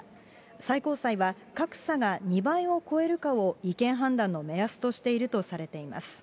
最高裁は格差が２倍を超えるかを違憲判断の目安としていると判断しています。